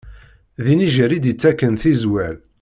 D inijjel i d-ittaken tizwal.